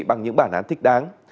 bằng những bản án thích đáng